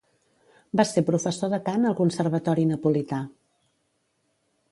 Va ser professor de cant al conservatori napolità.